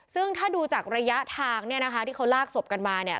ซึ่งถ้าดูจากระยะทางเนี่ยนะคะที่เขาลากศพกันมาเนี่ย